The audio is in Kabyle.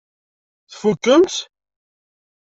Tfukkem-tt?